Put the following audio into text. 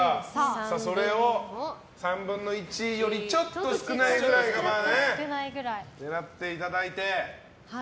それを３分の１よりちょっと少ないくらいを狙っていただいて。